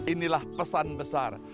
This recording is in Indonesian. inilah pesan besar